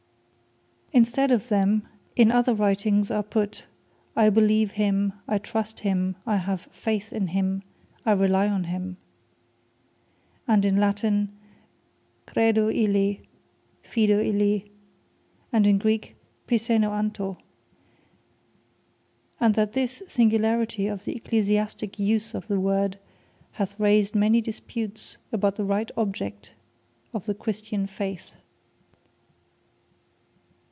In stead of them, in other writings are put, I Beleeve Him; I Have Faith In Him; I Rely On Him: and in Latin, Credo Illi; Fido Illi: and in Greek, Pisteno Anto: and that this singularity of the Ecclesiastical use of the word hath raised many disputes about the right object of the Christian Faith.